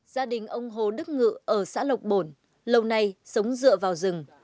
gia đình ông hồ đức ngự ở xã lộc bồn lâu nay sống dựa vào rừng